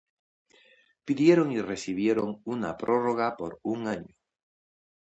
Pidieron y recibieron una prórroga de un año.